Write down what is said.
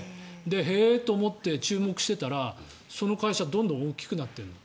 へえっと思って注目してたらその会社どんどん大きくなっているの。